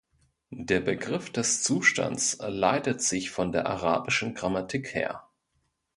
Der Begriff des Zustands leitet sich von der arabischen Grammatik her.